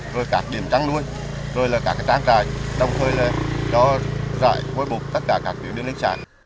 rồi các điểm trắng nuôi rồi là các trang trại đồng thời là cho dạy bối bục tất cả các tuyển biến linh sản